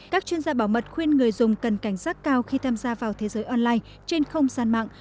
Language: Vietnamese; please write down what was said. các chuyên gia bảo mật khuyên người dùng cần cảnh giác cao khi tham gia vào thế giới online trên không gian mạng